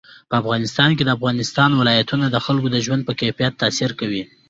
په افغانستان کې د افغانستان ولايتونه د خلکو د ژوند په کیفیت تاثیر کوي.